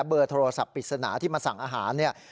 เบอร์โทรศัพท์ปริศนาที่มาสั่งอาหารเนี่ย